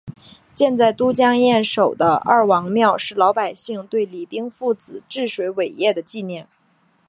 建在都江堰渠首的二王庙是老百姓对李冰父子治水伟业的纪念。